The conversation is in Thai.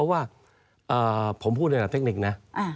ผมว่าช่วงพวกผมพูดตรงเทคนิคนะ